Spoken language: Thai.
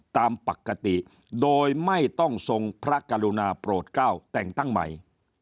ตามปกติโดยไม่ต้องทรงพระกรุณาโปรดเก้าแต่งตั้งใหม่